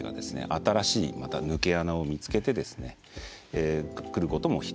新しいまた抜け穴を見つけてですねくることも否定できません。